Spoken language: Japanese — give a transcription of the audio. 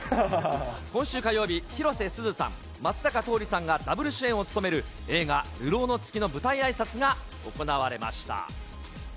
今週火曜日、広瀬すずさん、松坂桃李さんがダブル主演を務める映画、流浪の月の舞台あいさつが行われました。